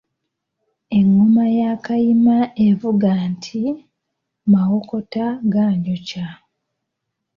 Engoma ya Kayima evuga nti, ‘Mawokota ganjokya’.